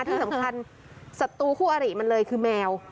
ที่สำคัญศัตรูคู่อริมันเลยคือแมว